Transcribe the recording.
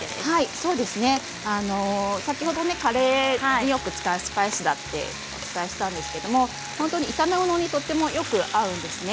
先ほどカレーによく使うスパイスだとお伝えしたんですけども炒め物にとてもよく合うんですね。